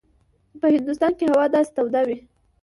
په هندوستان کې هوا داسې توده وي.